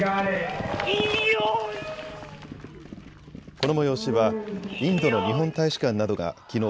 この催しはインドの日本大使館などがきのう